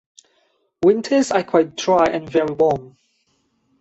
Winters are quite dry and very warm.